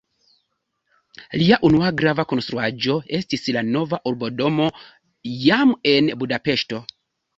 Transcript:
Lia unua grava konstruaĵo estis la nova urbodomo jam en Budapeŝto.